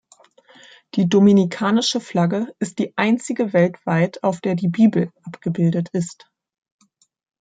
Die dominikanische Flagge ist die einzige weltweit, auf der die Bibel abgebildet ist.